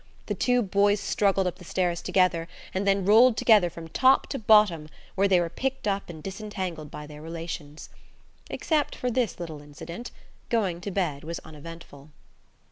The two boys struggled up the stairs together and then rolled together from top to bottom, where they were picked up and disentangled by their relations. Except for this little incident, going to bed was uneventful.